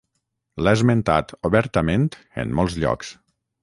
L'ha esmentat obertament en molts llocs.